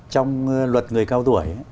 trong luật người cao tuổi